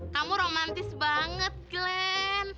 kamu romantis banget glenn